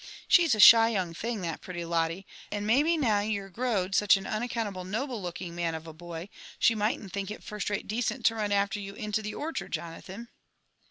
Bhe'g a thy young thing, that pretty Lotte ; and mayhe now you're growed auch a unaccountable noble looking man of a boy, she mightn't think it first rate decent to run after yoa into the orchard, Jonathan."